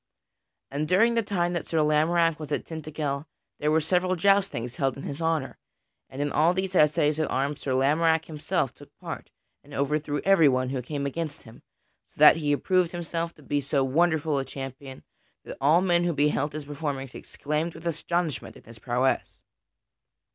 And during the time that Sir Lamorack was at Tintagel there were several joustings held in his honor, and in all these assays at arms Sir Lamorack himself took part and overthrew everyone who came against him, so that he approved himself to be so wonderful a champion that all men who beheld his performance exclaimed with astonishment at his prowess.